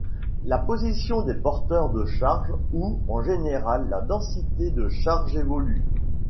La position des porteurs de charge, ou en général la densité de charge, évoluent.